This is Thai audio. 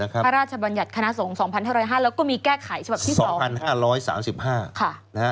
พระราชบัญญัติคณะส่งพศ๒๕๐๕แล้วก็มีแก้ไขที่๒